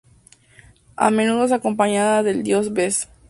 A menudo es acompañada del dios Bes.